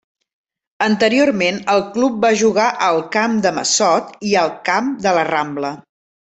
Anteriorment el club va jugar al Camp de Massot i al Camp de La Rambla.